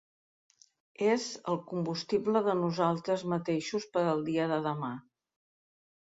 És el combustible de nosaltres mateixos per al dia de demà.